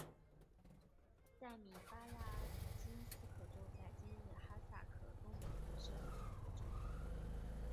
塞米巴拉金斯克州在今日哈萨克东北部设立的一个州。